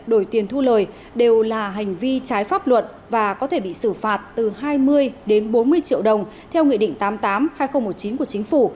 đổi tiền thu lời đều là hành vi trái pháp luật và có thể bị xử phạt từ hai mươi đến bốn mươi triệu đồng theo nghị định tám mươi tám hai nghìn một mươi chín của chính phủ